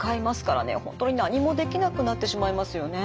本当に何もできなくなってしまいますよね。